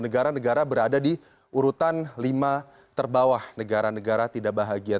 negara negara berada di urutan lima terbawah negara negara tidak bahagia